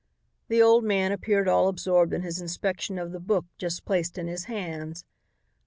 The old man appeared all absorbed in his inspection of the book just placed in his hands.